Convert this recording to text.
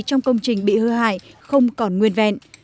trong công trình bị hư hại không còn nguyên vẹn